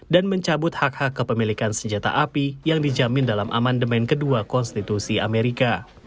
mencabut hak hak kepemilikan senjata api yang dijamin dalam amandemen kedua konstitusi amerika